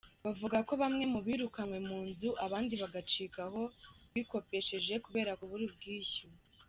Bavuga ko bamwe birukanywe mu nzu, abandi bagacika aho bikopesheje kubera kubura ubwishyu.